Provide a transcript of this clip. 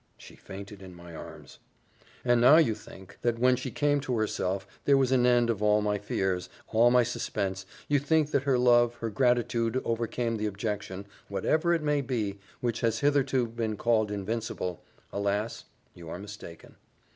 She fainted in my arms. And now you think, that when she came to herself, there was an end of all my fears, all my suspense you think that her love, her gratitude, overcame the objection, whatever it may be, which has hitherto been called invincible alas! you are mistaken.